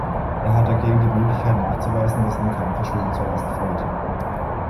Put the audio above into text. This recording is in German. Er hat dagegen die Möglichkeit nachzuweisen, dass ihm kein Verschulden zur Last fällt.